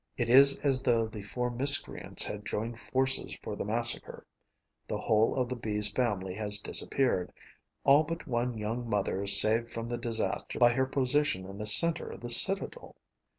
It is as though the four miscreants had joined forces for the massacre: the whole of the Bee's family has disappeared, all but one young mother saved from the disaster by her position in the centre of the citadel.